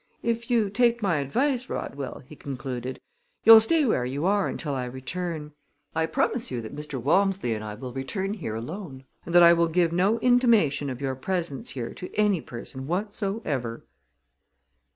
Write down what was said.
"If you take my advice, Rodwell," he concluded, "you'll stay where you are until I return. I promise you that Mr. Walmsley and I will return alone, and that I will give no intimation of your presence here to any person whatsoever."